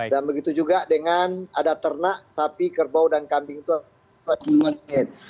dan begitu juga dengan ada ternak sapi kerbau dan kambing itu dua puluh dua unit